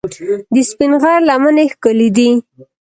د سپین غر لمنې ښکلې دي